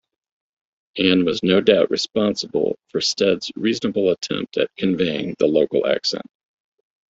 Anne was no doubt responsible for Stead's reasonable attempt at conveying the local accent.